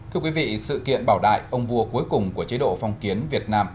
thưa quý vị sự kiện bảo đại ông vua cuối cùng của chế độ phong kiến việt nam